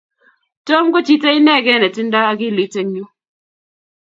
Tom ko chito inegee netindoi akilit eng nyu